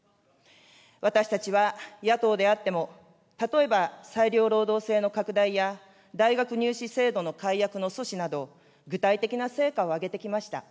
私たちは野党であっても、例えば裁量労働制の拡大や、大学入試制度の改悪の阻止など、具体的な成果を上げてきました。